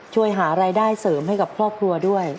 ช่วยหารายได้เสริมให้กับครอบครัวด้วย